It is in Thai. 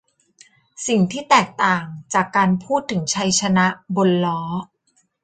สิ่งที่แตกต่างจากการพูดถึงชัยชนะบนล้อ